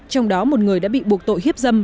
trong đó một người đã bị buộc tội hiếp dâm